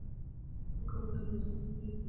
زده کوونکو د ازموینې لپاره پوره چمتووالی نیولی و.